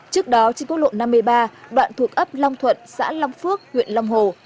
trước đó trên quốc lộ năm mươi ba đoạn thuộc ấp long thuận xã long phước huyện long hồ